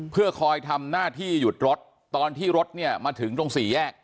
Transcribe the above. เพื่อคอยทำหน้าที่หยุดรถตอนที่รถเนี่ยมาถึงตรงสี่แยก